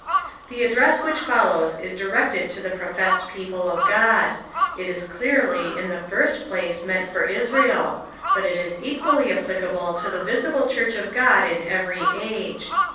The address which follows is directed to the professed people of Ood. It is clearly, in the first place, meant for Israel ; but is ei^uall; applicable to the visible church of Ood in every ago.